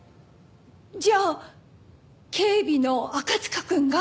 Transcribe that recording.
じゃあ警備の赤塚くんが？